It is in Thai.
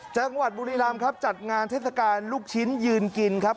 จังหวัดบุรีรำครับจัดงานเทศกาลลูกชิ้นยืนกินครับ